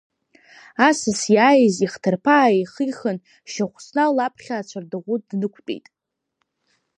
Асас иааиз ихҭарԥа ааихихын Шьахәсна лаԥхьа ацәардаӷә днықәтәеит.